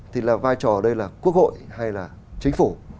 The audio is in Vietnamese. thì là vai trò ở đây là quốc hội hay là chính phủ